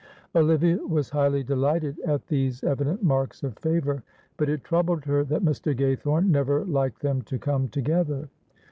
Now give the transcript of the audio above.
Olivia was highly delighted at these evident marks of favour, but it troubled her that Mr. Gaythorne never liked them to come together.